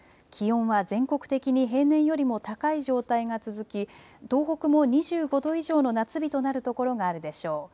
気温は全国的に平年よりも高い状態が続き東北も２５度以上の夏日となる所があるでしょう。